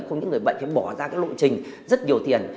không những người bệnh phải bỏ ra lộ trình rất nhiều tiền